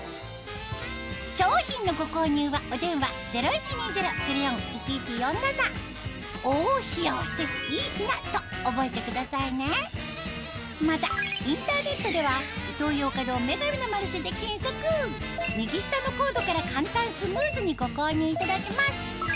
商品のご購入はお電話０１２０−０４−１１４７と覚えてくださいねまたインターネットでは右下のコードから簡単スムーズにご購入いただけます